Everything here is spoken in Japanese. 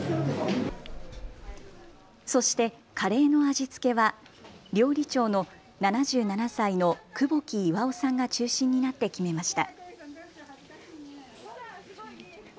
そしてカレーの味付けは調理長の７７歳の窪木巌さんが中心になって決めました。